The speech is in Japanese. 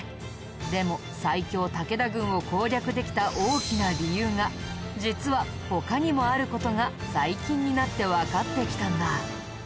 でも最強武田軍を攻略できた大きな理由が実は他にもある事が最近になってわかってきたんだ。